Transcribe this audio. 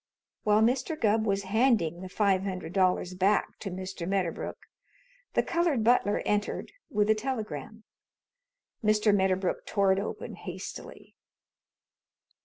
While Mr. Gubb was handing the five hundred dollars back to Mr. Medderbrook the colored butler entered with a telegram. Mr. Medderbrook tore it open hastily.